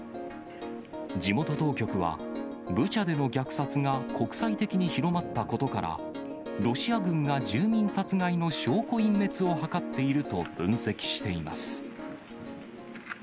地元当局は、ブチャでの虐殺が国際的に広まったことから、ロシア軍が住民殺害の証拠隠滅を図っていると分析しています。